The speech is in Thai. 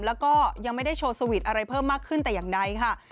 แล้วก็ยังไม่ได้โชว์สวีทอะไรเพิ่มมากขึ้นแต่อย่างใดค่ะ